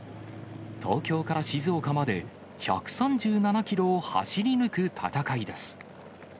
東京から静岡まで１３７キロを走り抜く戦いです。